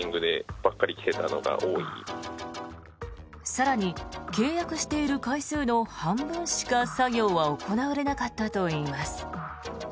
更に契約している回数の半分しか作業は行われなかったといいます。